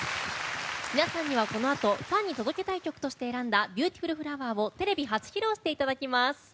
皆さんには、このあとファンに届けたい曲として選んだ「ＢｅａｕｔｉｆｕｌＦｌｏｗｅｒ」をテレビ初披露していただきます。